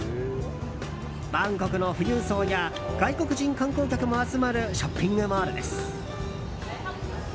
バンコクの富裕層や外国人観光客も集まるショッピングモールです。